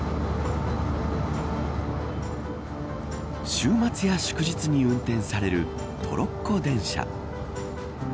週末や祝日に運転されるトロッコ電車。